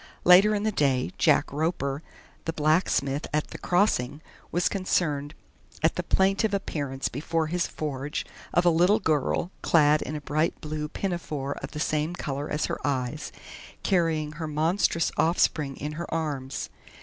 Later in the day Jack Roper, the blacksmith at the "Crossing," was concerned at the plaintive appearance before his forge of a little girl clad in a bright blue pinafore of the same color as her eyes, carrying her monstrous offspring in her arms.